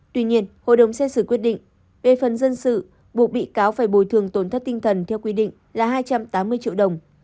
tuy nhiên hội đồng xét xử quyết định về phần dân sự buộc bị cáo phải bồi thường tổn thất tinh thần theo quy định là hai trăm tám mươi triệu đồng